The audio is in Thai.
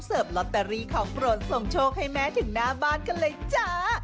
ลอตเตอรี่ของโปรดส่งโชคให้แม่ถึงหน้าบ้านกันเลยจ้า